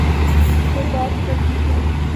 تو بات بنتی ہے۔